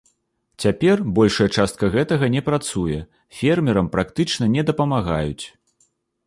Цяпер большая частка гэтага не працуе, фермерам практычна не дапамагаюць.